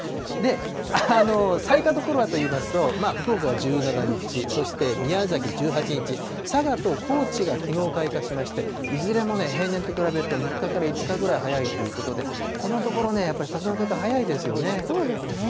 で、咲いた所はといいますと、福岡が１７日、そして宮崎１８日、佐賀と高知がきのう開花しまして、いずれも平年と比べると３日から５日ぐらい早いということで、このところ、やっぱり桜の開花、早そうですね。